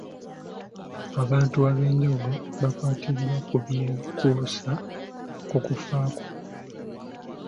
Abantu ab'enjawulo bakwatiddwa ku byekuusa ku kufa kwe.